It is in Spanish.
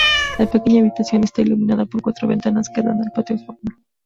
La pequeña habitación está iluminada por cuatro ventanas que dan al patio formal.